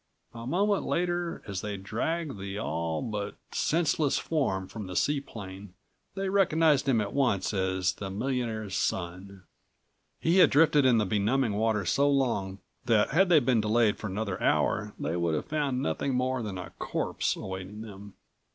A moment later, as they dragged the all but senseless form from the seaplane, they recognized him at once as the millionaire's son. He had drifted in the benumbing water so long that had they been delayed for another hour they would have found nothing more than a corpse awaiting them.